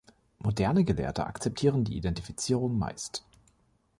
Moderne Gelehrte akzeptieren die Identifizierung meist.